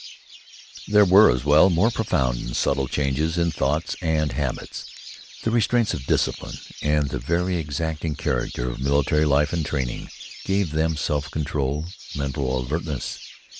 There were, as well, more profound and subtle changes in thoughts and habits. The restraints of discipline and the very exacting character of military life and training gave them self control, mental alertness.